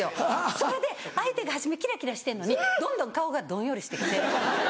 それで相手が初めキラキラしてんのにどんどん顔がどんよりして来て。